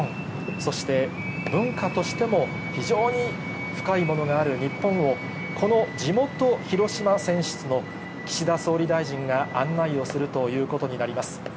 そして文化としても非常に深いものがある日本を、この地元広島選出の岸田総理大臣が案内をするということになります。